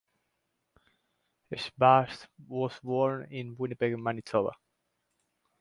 Schwartz was born in Winnipeg, Manitoba.